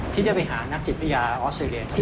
ที่จะไปหานักจิตวิญญาณออสเซเลีย